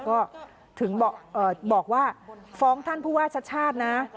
ก็ถึงบอกว่าฟ้องท่านผู้ว่าชัดนะ